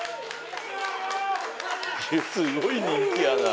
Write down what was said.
すごい人気やな。